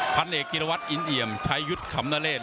พันเอกจิรวัตรอินเอี่ยมชายยุทธ์ขำนเลศ